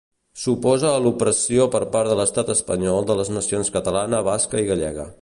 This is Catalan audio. S'oposa a l'opressió per part de l'Estat espanyol de les nacions catalana, basca i gallega.